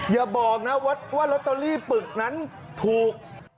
อย่าบอกนะว่าลอตเตอรี่ปึกนั้นถูก